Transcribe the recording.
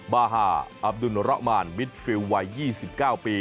บาฮาอับดุลระมานมิดฟิลวัย๒๙ปี